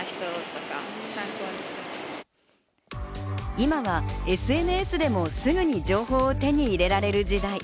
今はＳＮＳでもすぐに情報を手に入れられる時代。